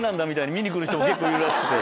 見に来る人結構いるらしくて。